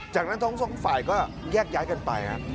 จากนั้นทั้งสองฝ่ายก็แยกย้ายกันไป